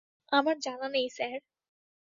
আমার জানা নেই স্যার।